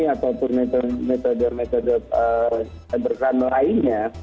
ataupun metode metode cybercrime lainnya